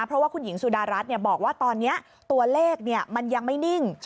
เพราะว่าคุณหญิงสุดารัฐบอกว่าตอนนี้ตัวเลขมันยังไม่นิ่ง